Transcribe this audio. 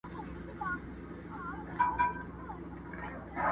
خو تېروتنې بيا تکراريږي ډېر.